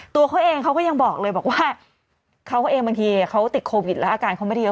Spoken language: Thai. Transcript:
ตัวเขาเองเขาก็ยังบอกเลยบอกว่าเขาเองบางทีเขาติดโควิดแล้วอาการเขาไม่ได้เยอะ